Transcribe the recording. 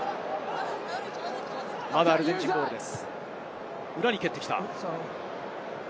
まだアルゼンチンボールです。